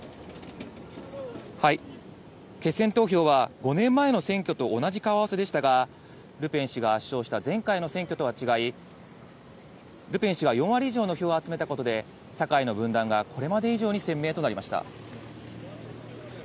決選投票は５年前の選挙と同じ顔合わせでしたが、ルペン氏が圧勝した前回の選挙とは違い、ルペン氏が４割以上の票を集めたことで、社会の分断がこれまで以上に鮮明となりました。